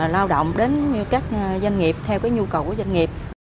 lao động đến các doanh nghiệp theo nhu cầu của doanh nghiệp